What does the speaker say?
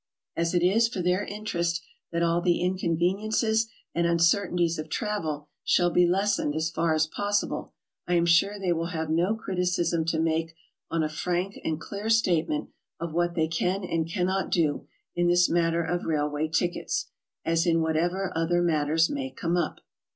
As it is for their interest that all the inconveniences and uncertainties of travel shall be lessened as far as possible, I am sure they will have no criticism to make on a frank and clear statement of what they can and cannot do in this matter of railway tickets, as in whatever other matters may come up.